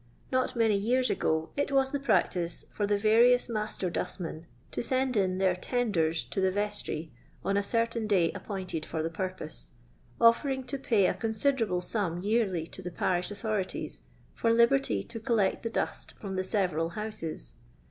Not many years ago it was the practice for the various master dust men to send in their tenders to the restry, on a cer tain day appointed for the purpose, offering to pay a considerable sum yearly to the parish authorities for liberty to collect the dust from the several ^ bouses.